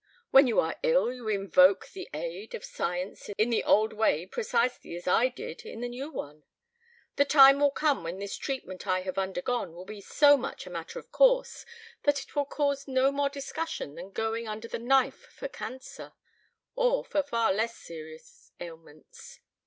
When you are ill you invoke the aid of science in the old way precisely as I did in the new one. The time will come when this treatment I have undergone will be so much a matter of course that it will cause no more discussion than going under the knife for cancer or for far less serious ailments.